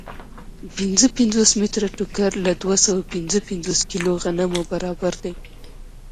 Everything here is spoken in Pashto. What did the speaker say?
پنځه پنځوس متره ټوکر له دوه سوه پنځه پنځوس کیلو غنمو برابر دی